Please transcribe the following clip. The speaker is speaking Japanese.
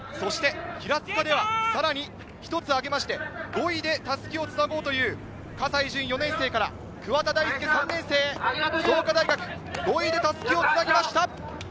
平塚ではさらに１つ上げて、５位で襷をつなごうという、葛西潤・４年生から桑田大輔・３年生へ、創価大学５位で襷をつなぎました。